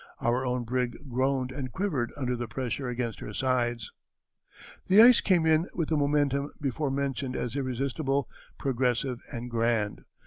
Our own brig groaned and quivered under the pressure against her sides." "The ice came in with the momentum before mentioned as irresistible, progressive, and grand.